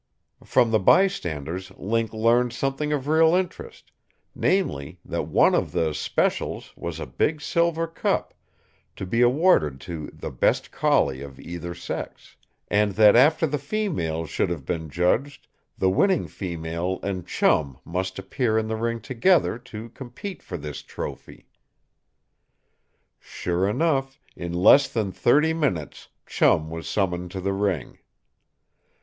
From the bystanders Link learned something of real interest namely, that one of the "specials" was a big silver cup, to be awarded to "best collie of either sex"; and that after the females should have been, judged, the winning female and Chum must appear in the ring together to compete for this trophy. Sure enough, in less than thirty minutes Chum was summoned to the ring.